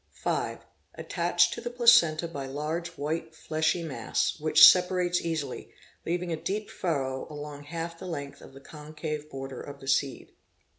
5. Attached to the placenta by | large white fleshy mass, which sepa rates easily, leaving a deep furrow along half the length of the concave border of the seed.